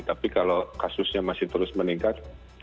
tapi kalau kasusnya masih terus meningkat